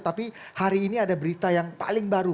tapi hari ini ada berita yang paling baru